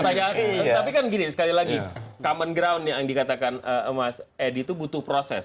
tapi kan gini sekali lagi common ground yang dikatakan mas edi itu butuh proses